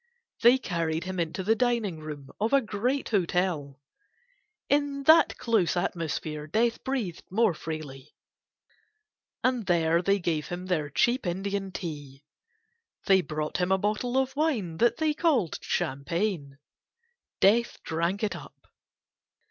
They carried him into the dining room of a great hotel (in that close atmosphere Death breathed more freely), and there they gave him their cheap Indian tea. They brought him a bottle of wine that they called champagne. Death drank it up.